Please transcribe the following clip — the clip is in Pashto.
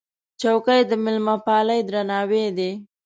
چوکۍ د مېلمهپالۍ درناوی دی.